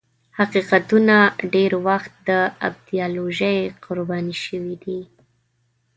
حقیقتونه ډېر وخت د ایدیالوژۍ قرباني شوي دي.